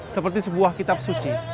seperti sebuah kitab suci